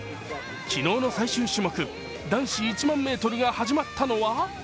昨日の最終種目、男子１００００ｍが始まったのは？